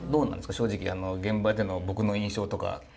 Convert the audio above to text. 正直現場での僕の印象とかって。